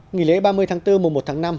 nghỉ lễ ba mươi tháng bốn mùa một tháng năm